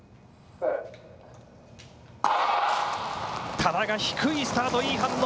多田が低いスタート、いい反応。